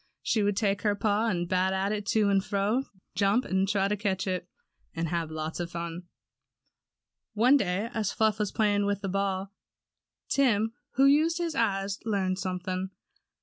She would take her paw and bat it to and fro, jump and try to catch it, and have lots of fun One day as Fluff was playing with the ball, Tim, who used his eyes, learned something.